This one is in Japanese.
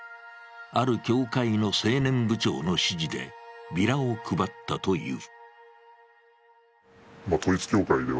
ある教会の青年部長の指示でビラを配ったという。